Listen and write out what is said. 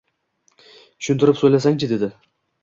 Tushuntirib so‘ylasang-chi, dedi